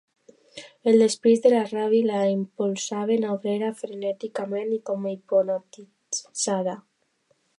El despit i la ràbia la impulsaven; obrava frenèticament i com hipnotitzada.